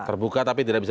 terbuka tapi tidak bisa